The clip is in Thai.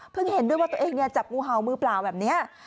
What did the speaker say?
เห็นด้วยว่าตัวเองจับงูเห่ามือเปล่าแบบนี้